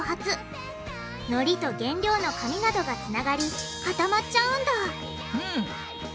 のりと原料の紙などがつながりかたまっちゃうんだうん。